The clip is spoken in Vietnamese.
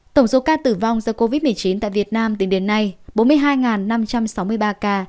tổng số ca tử vong do covid một mươi chín tại việt nam tính đến nay bốn mươi hai năm trăm sáu mươi ba ca